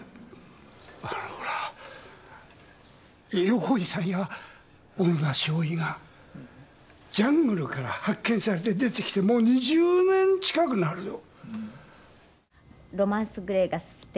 横井さんや小野田少尉がジャングルから発見されて出てきてもう２０年近くなるぞ。